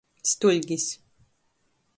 Stuļgis.